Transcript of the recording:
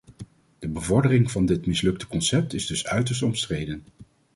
De bevordering van dit mislukte concept is dus uiterst omstreden.